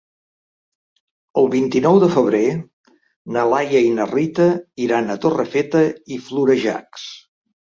El vint-i-nou de febrer na Laia i na Rita iran a Torrefeta i Florejacs.